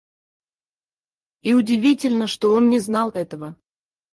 И удивительно, что он не знал этого.